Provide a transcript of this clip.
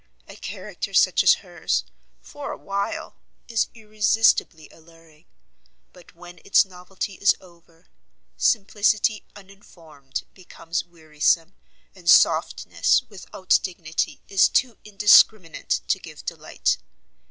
A character such as hers for a while is irresistibly alluring; but when its novelty is over, simplicity uninformed becomes wearisome, and softness without dignity is too indiscriminate to give delight.